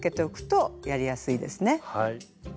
はい。